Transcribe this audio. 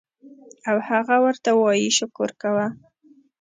او هغه ورته وائي شکر کوه